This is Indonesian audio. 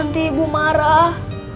nanti ibu marah